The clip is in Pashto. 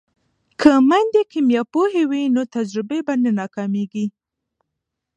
که میندې کیمیا پوهې وي نو تجربې به نه ناکامیږي.